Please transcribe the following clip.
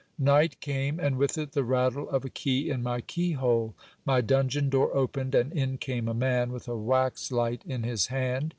Night came, and with it the rattle of a key in my keyhole. My dungeon door opened, and in came a man with a wax light in his hand.